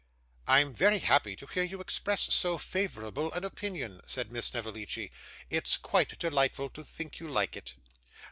'I am very happy to hear you express so favourable an opinion,' said Miss Snevellicci. 'It's quite delightful to think you like it.